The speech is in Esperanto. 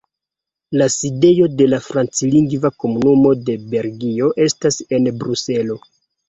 La sidejo de la Franclingva Komunumo de Belgio estas en Bruselo.